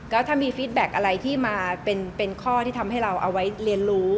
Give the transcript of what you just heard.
ก็ถ้ามีฟิตแบ็คอะไรที่มาเป็นข้อที่ทำให้เราเอาไว้เรียนรู้